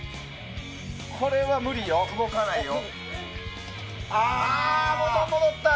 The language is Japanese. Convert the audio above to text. これは無理よ、動かないよ。